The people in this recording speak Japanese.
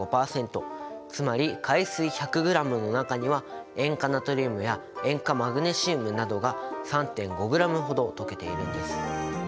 つまり海水１００ｇの中には塩化ナトリウムや塩化マグネシウムなどが３．５ｇほど溶けているんです。